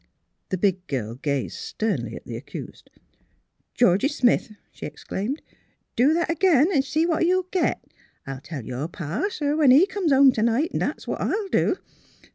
" The big girl gazed sternly at the accused. ''Georgie Smith," she exclaimed, "do that again, 'n' see what you'll get! I'll tell your pa, sir, when he comes home t ' night! That's what I'll do.